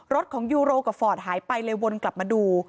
รถของยูโรกับฟอร์ดหายไปเลยวนกลับมาดู